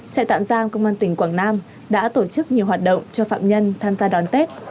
trại tạm giam công an tỉnh quảng nam đã tổ chức nhiều hoạt động cho phạm nhân tham gia đón tết